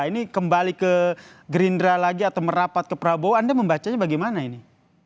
ini kembali ke gerindra lagi atau merapat ke prabowo anda membacanya bagaimana ini